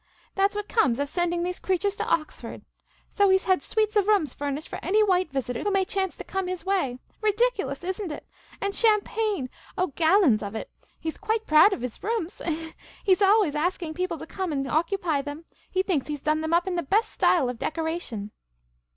That 's what comes of sending these creatures to Oxford ! So he 's had suites of rooms furnished for any white visitors who may chance to come his way. Ridiculous, is n't it ? A7id cham pagne — oh, gallons of it ! He 's quite proud of his rooms — he, he, he — he 's always asking people to come and occup3' them ; he thinks he 's done them up in the best style of decoration."